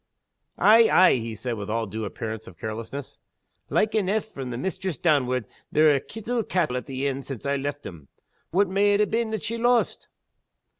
"Ay! ay!" he said, with all due appearance of carelessness. "Like eneugh. From the mistress downward, they're a' kittle cattle at the inn since I've left 'em. What may it ha' been that she lost?"